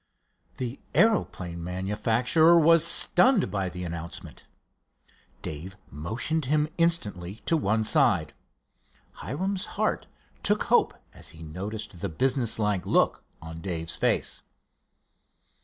The aeroplane manufacturer was stunned by the announcement. Dave motioned him instantly to one side. Hiram's heart took hope as he noted the business like look on Dave's face.